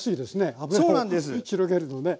油広げるのね。